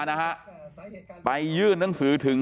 นะฮะไปยื่นหนังสือถึง